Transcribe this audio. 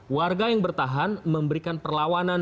warga yang bertahan memberikan perlawanan